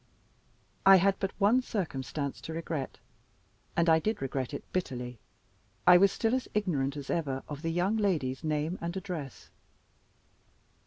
I had but one circumstance to regret and I did regret it bitterly. I was still as ignorant as ever of the young lady's name and address.